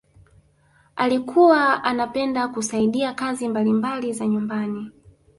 alikuwa anapenda kusaidia kazi mbalimbali za nyumbani